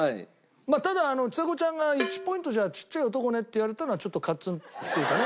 ただちさ子ちゃんが１ポイントじゃ小っちゃい男ねって言われたのはちょっとカツンっていうかね。